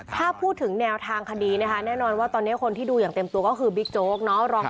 ถ้าพูดถึงแนวทางคดีนะคะแน่นอนว่าตอนนี้คนที่ดูอย่างเต็มตัวก็คือบิ๊กโจ๊กเนาะ